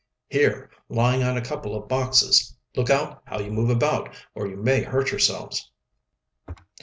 "Here, lying on a couple of boxes. Look out how you move about, or you may hurt yourselves."